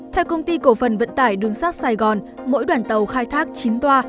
theo công ty cổ phần vận tải đường sắt sài gòn mỗi đoàn tàu khai thác chín toa